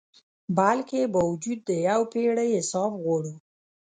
بلکي باوجود د یو پیړۍ حساب غواړو